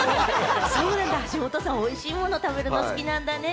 橋本さん、美味しいものを食べるの好きなんだね。